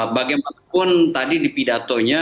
bagaimanapun tadi di pidatonya